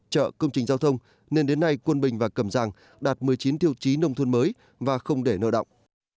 chợ công trình giao thông nên đến nay quân bình và cầm giang đạt một mươi chín tiêu chí nông thôn mới và không để nợ động